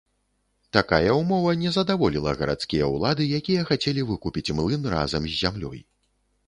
Такая ўмова не задаволіла гарадскія ўлады, якія хацелі выкупіць млын разам з зямлёй.